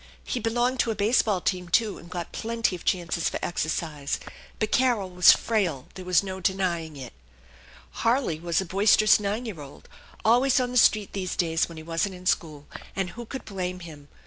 He belonged to a base ball team, too, and got plenty of chances for exercise; but Carol was frail, there was no denying i'v. Harley was a boisterous nine year old, always on the street these days when he wasn't in school; and who could blame him?